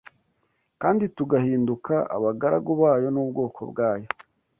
kandi tugahinduka abagaragu bayo n’ubwoko bwayo